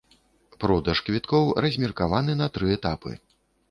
Продаж квіткоў размеркаваны на тры этапы.